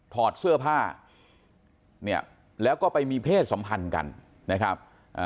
ถอดเสื้อผ้าเนี่ยแล้วก็ไปมีเพศสัมพันธ์กันนะครับ